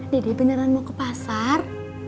dede beneran mau ke pasar